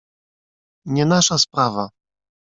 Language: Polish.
"Nie nasza sprawa."